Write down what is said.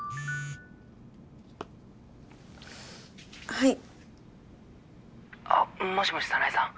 はいあっもしもし早苗さん？